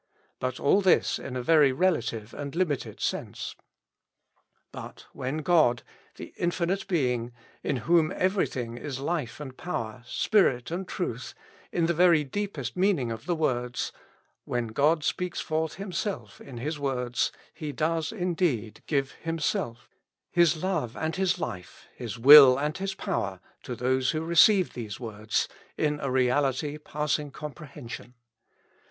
But all this in a very relative and limited sense. But when God, the infinite Being, in whom every thing is life and power, spirit and truth, in the very deepest meaning of the words, — when God speaks 176 With Christ in the School of Prayer. forth Himself in His words, He does indeed give Himself, His Love and His Life, His Will and His Power, to those who receive these words, in a reality passing comprehension.